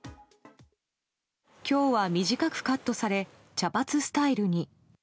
今日は短くカットされ茶髪スタイルに。